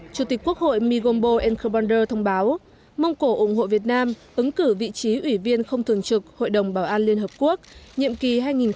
chủ tịch quốc hội migombo elbonder thông báo mông cổ ủng hộ việt nam ứng cử vị trí ủy viên không thường trực hội đồng bảo an liên hợp quốc nhiệm kỳ hai nghìn hai mươi hai nghìn hai mươi một